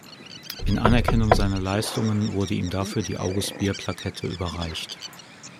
In Anerkennung seiner Leistungen wurde ihm dafür die August-Bier-Plakette überreicht.